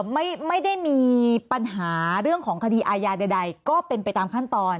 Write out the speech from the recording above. ไม่ได้มีปัญหาเรื่องของคดีอาญาใดก็เป็นไปตามขั้นตอน